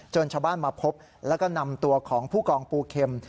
ชาวบ้านมาพบแล้วก็นำตัวของผู้กองปูเข็ม